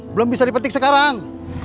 belum bisa dipetik sekarang